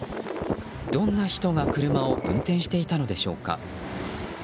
どんな人が車を運転していたのでしょうか。